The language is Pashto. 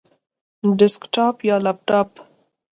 ډیسکټاپ یا لپټاپ؟